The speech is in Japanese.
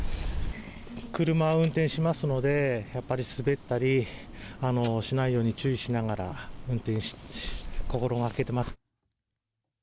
車を運転しますので、やっぱり滑ったりしないように、注意しながら運転、心がけてます。